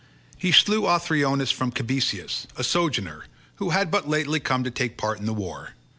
He slew Othryoneus from Cabesus, a sojourner, who had but lately come to take part in the war.